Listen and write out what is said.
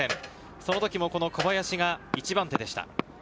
その時も小林が一番手でした。